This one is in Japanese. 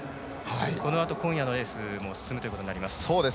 このあと今夜のレースにも進むことになります。